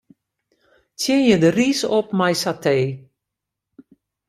Tsjinje de rys op mei satee.